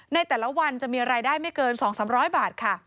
ในแต่ละวันจะมีรายได้ไม่เกิน๒๓๐๐บาทค่ะ